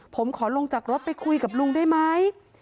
ผมขอลงจากรถไปคุยกับลุงได้ไหม